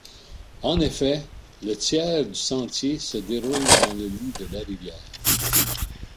En effet, le tiers du sentier se déroule dans le lit de la rivière.